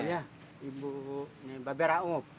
iya ibu babe raup